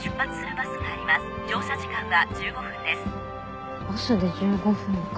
バスで１５分か。